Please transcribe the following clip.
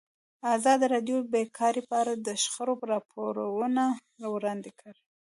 ازادي راډیو د بیکاري په اړه د شخړو راپورونه وړاندې کړي.